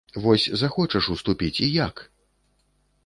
Вось захочаш уступіць і як?